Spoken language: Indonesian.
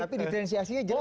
tapi diferensiasinya jelas